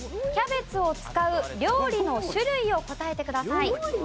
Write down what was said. キャベツを使う料理の種類を答えてください。